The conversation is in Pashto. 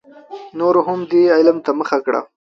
نورو هم دې علم ته مخه کړه.